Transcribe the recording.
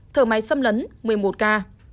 thở máy xâm lấn một mươi một ca